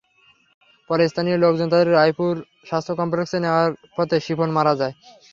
পরে স্থানীয় লোকজন তাঁদের রায়পুর স্বাস্থ্য কমপ্লেক্সে নেওয়ার পথে শিপন মারা যায়।